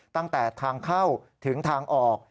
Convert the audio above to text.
ตั้งแต่ทางเข้าถึงทางออก